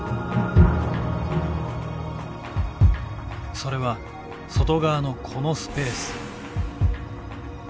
それは外側のこのスペース。